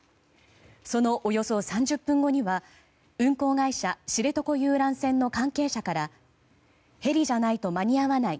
そのおよそ３０分後には運航会社、知床遊覧船の関係者からヘリじゃないと間に合わない。